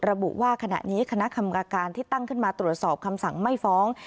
ระบุว่าขณะนี้คณะกรรมการที่ตั้งขึ้นมาตรวจสอบคำสั่งไม่ฟ้อง